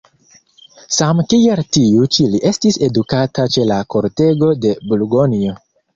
Same kiel tiu ĉi li estis edukata ĉe la kortego de Burgonjo.